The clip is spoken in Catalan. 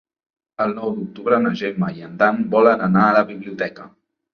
El nou d'octubre na Gemma i en Dan volen anar a la biblioteca.